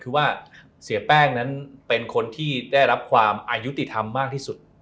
คือว่าเสียแป้งนั้นเป็นคนที่ได้รับความอายุติธรรมมากที่สุด